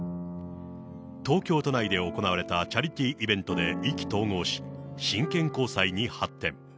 東京都内で行われたチャリティーイベントで意気投合し、真剣交際に発展。